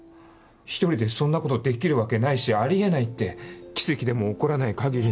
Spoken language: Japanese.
一人でそんなことできるわけないしあり得ないって奇跡でも起こらない限り。